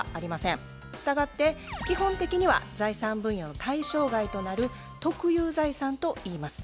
したがって基本的には財産分与の対象外となる特有財産といいます。